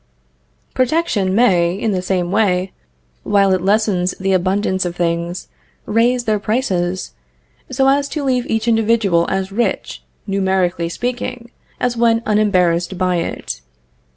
Protection may, in the same way, while it lessens the abundance of things, raise their prices, so as to leave each individual as rich, numerically speaking, as when unembarrassed by it.